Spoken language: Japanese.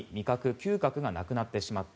・嗅覚がなくなってしまった。